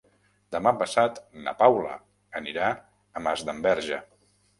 Demà passat na Paula anirà a Masdenverge.